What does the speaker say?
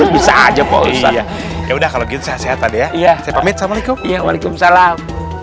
bisa aja ya udah kalau gitu saya pamit sama alaikum waalaikumsalam